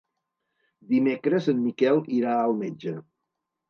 Dimecres en Miquel irà al metge.